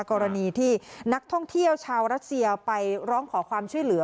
กรณีที่นักท่องเที่ยวชาวรัสเซียไปร้องขอความช่วยเหลือ